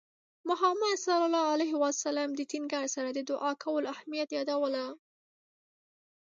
محمد صلى الله عليه وسلم د ټینګار سره د دُعا کولو اهمیت یاداوه.